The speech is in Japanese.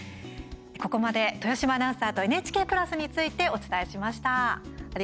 ここまで豊島アナウンサーとＮＨＫプラスについてお伝えしました。